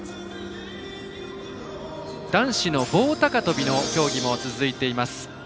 男子の棒高跳びの競技も続いています。